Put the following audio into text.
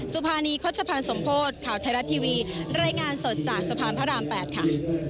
สุภานีคสมโภตข่าวไทยรัดทีวีรายงานสดจากสภานพระราม๘ค่ะ